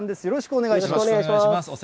よろしくお願いします。